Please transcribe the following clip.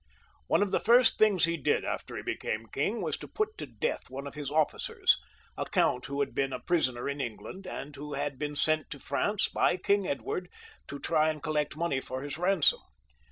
One of the first things he did, after he became king, was to put to death one of his officers ; a count who had been a prisoner in England, and who had been sent to France, by King Edward, to try and collect money for his ransom.